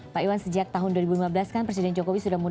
pak iwan sejak tahun dua ribu lima belas kan presiden jokowi sudah